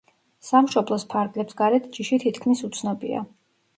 სამშობლოს ფარგლებს გარეთ ჯიში თითქმის უცნობია.